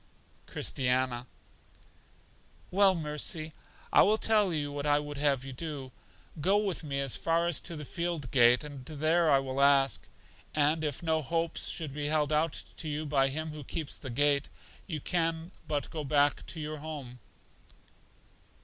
Christiana: Well, Mercy, I will tell you what I would have you do. Go with me as far as to the field gate, and there I will ask; and if no hopes should be held out to you by Him who keeps the gate, you can but go back to your home.